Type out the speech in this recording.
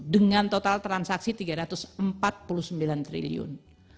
dengan total transaksi rp tiga ratus empat puluh sembilan triliun